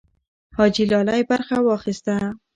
حاجي لالی برخه واخیسته.